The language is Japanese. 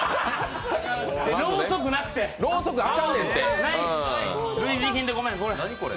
ろうそくなくて、類似品でごめん。